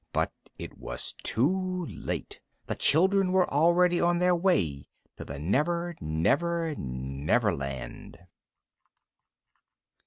But it was too late. The children were already on their way to the Never Never Never Land.